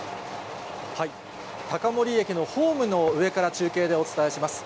高森駅のホームの上から中継でお伝えします。